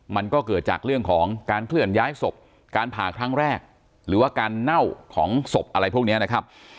มันก็เกิดจากเรื่องของการเคลื่อนย้ายศพการผ่าครั้งแรกหรือว่าการเน่าของศพอะไรพวกนี้นะครับ